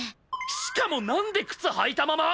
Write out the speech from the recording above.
しかもなんで靴履いたまま！？